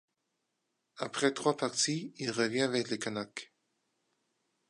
Après trois parties, il revient avec les Canucks.